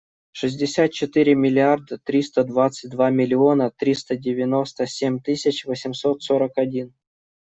Шестьдесят четыре миллиарда триста двадцать два миллиона триста девяносто семь тысяч восемьсот сорок один.